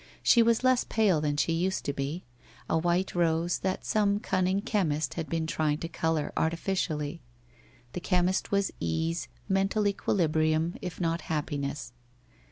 She was less pale than she used to be — a white rose that some cunning chemist had been trying to colour artificially. The chemist was ease, mental equilibrium, if not happiness.